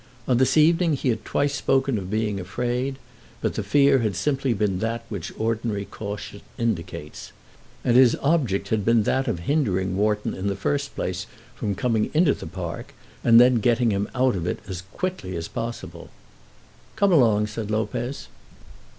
On this evening he had twice spoken of being afraid, but the fear had simply been that which ordinary caution indicates; and his object had been that of hindering Wharton in the first place from coming into the park, and then of getting him out of it as quickly as possible. "Come along," said Lopez.